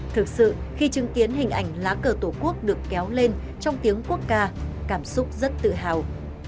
thực sự khi chứng kiến hình ảnh lá cờ tổ quốc được kéo lên trong tiếng quốc ca cảm xúc rất tự hào